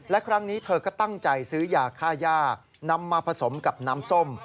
และครั้งนี้เธอก็ตั้งใจซื้อยาค่าย่านำมาผสมกับน้ำส้ม